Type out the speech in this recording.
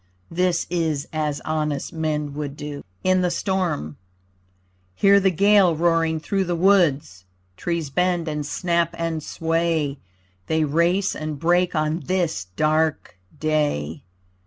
This is as honest men would do. IN THE STORM Hear the gale roaring through the woods! Trees bend and snap and sway; They race and break on this dark day.